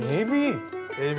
エビ！